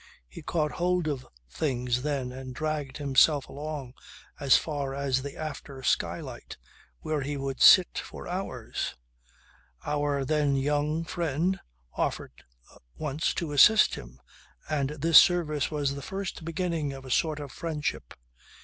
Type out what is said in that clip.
He caught hold of things then and dragged himself along as far as the after skylight where he would sit for hours. Our, then young, friend offered once to assist him and this service was the first beginning of a sort of friendship.